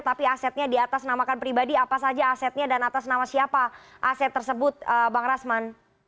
tapi asetnya diatasnamakan pribadi apa saja asetnya dan atas nama siapa aset tersebut bang rasman